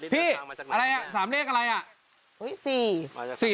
พี่อะไรอ่ะสามเลขอะไรอ่ะ